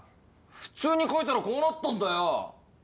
普通に描いたらこうなったんだよ。